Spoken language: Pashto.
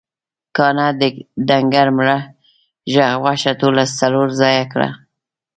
کاڼهٔ د ډنګر مږهٔ غوښه ټوله څلور ځایه کړه.